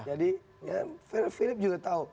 yang kedua jadi philip juga tahu